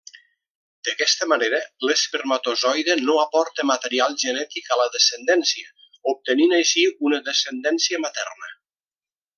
D'aquesta manera l'espermatozoide no aporta material genètic a la descendència, obtenint així una descendència materna.